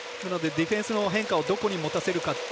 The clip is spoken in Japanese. ディフェンスの変化をどこでもたせるか。